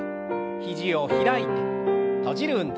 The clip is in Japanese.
肘を開いて閉じる運動。